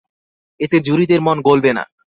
এতে জুরিদের মন গলবে না।